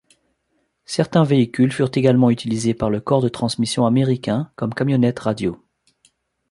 Certains véhicules furent également utilisés par le corps de transmission américain comme camionnettes radio.